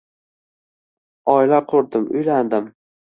Oila qurdim, uylandim